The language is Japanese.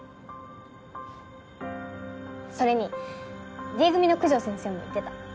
それにＤ組の九条先生も言ってた。